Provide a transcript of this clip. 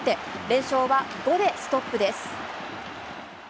連勝は５でストップです。